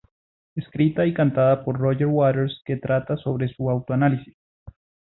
Escrita y cantada por Roger Waters, que trata sobre su auto-análisis.